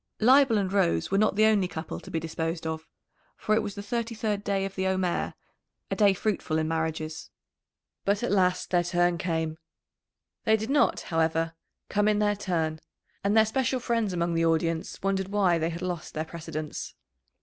Leibel and Rose were not the only couple to be disposed of, for it was the thirty third day of the Omer a day fruitful in marriages. But at last their turn came. They did not, however, come in their turn, and their special friends among the audience wondered why they had lost their precedence.